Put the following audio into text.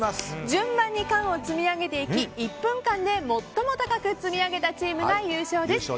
順番に缶を積み上げていき１分間で最も高く積み上げたチームが優勝です。